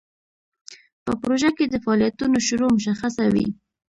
په پروژه کې د فعالیتونو شروع مشخصه وي.